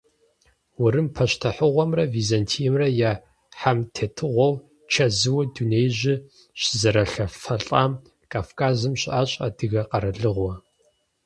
Урым пащтыхьыгъуэмрэ Византиемрэ я хьэмтетыгъуэу чэзууэ дунеижьыр щызэралъэфалӏэм Кавказым щыӏащ адыгэ къэралыгъуэ.